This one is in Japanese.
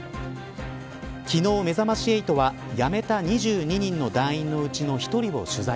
昨日めざまし８は辞めた２２人の団員のうちの１人を取材。